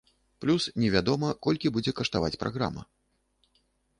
Плюс, не вядома, колькі будзе каштаваць праграма.